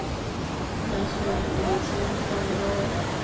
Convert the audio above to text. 通常是美金做为单位。